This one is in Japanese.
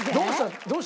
どうした？